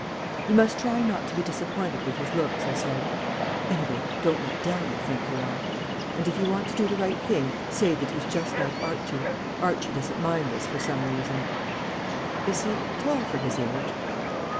"You must try not to be disappointed with his looks," I said. "Anyway, don't let Dahlia think you are. And if you want to do the right thing say that he's just like Archie. Archie doesn't mind this for some reason." "Is he tall for his age?"